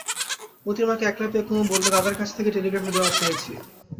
মোতির মাকে একলা পেয়ে কুমু বললে, দাদার কাছ থেকে টেলিগ্রাফের জবাব পেয়েছি।